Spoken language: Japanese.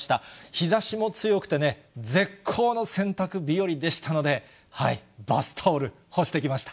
日ざしも強くてね、絶好の洗濯日和でしたので、バスタオル、干してきました。